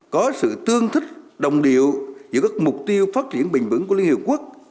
có sự tương thích đồng điệu giữa các mục tiêu phát triển bình vững của liên hiệp quốc